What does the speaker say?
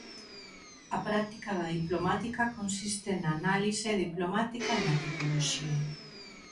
A práctica da diplomática consiste na análise diplomática e na tipoloxía.